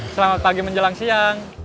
selamat pagi menjelang siang